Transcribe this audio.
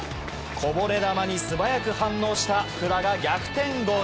こぼれ球に素早く反応した福田が逆転ゴール。